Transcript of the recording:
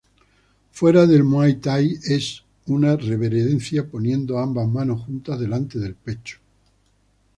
Fuera del muay thai es una reverencia poniendo ambas manos juntas delante del pecho.